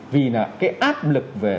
vì cái áp lực về